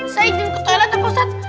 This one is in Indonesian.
saya jemput ke toilet ya ustaz